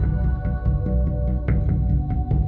เวลาที่สุดท้าย